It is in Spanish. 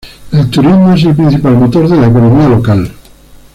El turismo es el principal motor de la economía local.